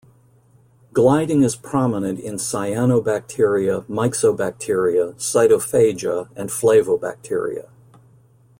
Gliding is prominent in cyanobacteria, myxobacteria, cytophaga, and flavobacteria.